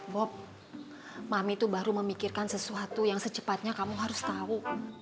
bob mami itu baru memikirkan sesuatu yang secepatnya kamu harus tahu